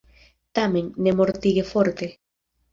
Tamen, ne mortige forte!